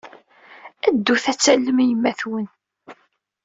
Ddut ad tallem yemma-twen.